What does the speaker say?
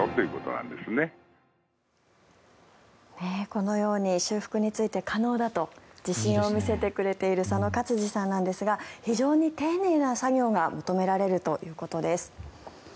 このように修復について可能だと自信を見せてくれている左野勝司さんなんですが非常に丁寧な作業が求められるということです。